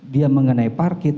dia mengenai parkit